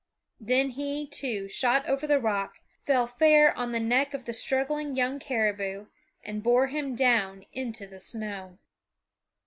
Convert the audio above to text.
Then he, too, shot over the rock, fell fair on the neck of the struggling young caribou, and bore him down into the snow.